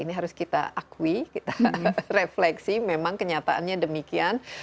ini harus kita akui kita refleksi memang kenyataannya demikian